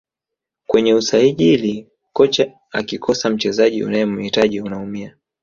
kwenye usajili kocha akikosa mchezaji unayemhitaji unaumia